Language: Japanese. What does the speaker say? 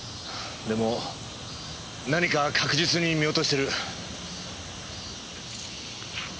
でも何か確実に見落としてる。